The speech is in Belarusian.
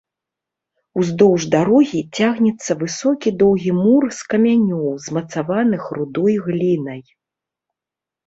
Уздоўж дарогі цягнецца высокі доўгі мур з камянёў, змацаваных рудой глінай.